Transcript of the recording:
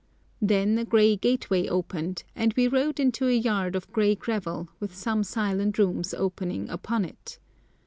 Then a grey gateway opened, and we rode into a yard of grey gravel, with some silent rooms opening upon it.